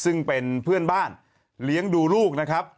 ซึ่งเป็นเพื่อนบ้านเลี้ยงดูลูกนะครับ